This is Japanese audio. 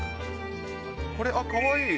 これ、かわいい。